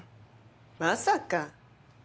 まさか。